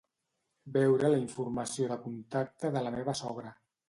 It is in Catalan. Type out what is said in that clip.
Veure la informació de contacte de la meva sogra.